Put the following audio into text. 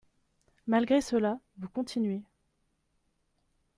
Malgré cela, vous continuez.